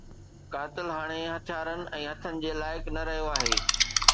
قاتل هاڻي هٿيارن ۽ هٿن جي لائق نه رهيو آهي